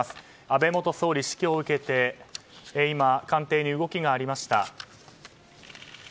安倍元総理死去を受けて今、官邸に動きがありました。